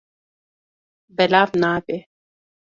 Belav nabe.